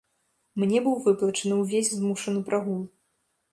Мне быў выплачаны увесь змушаны прагул.